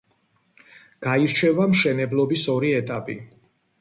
გაირჩევა მშენებლობის ორი ეტაპი.